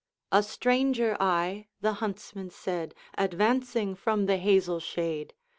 'A stranger I,' the Huntsman said, Advancing from the hazel shade.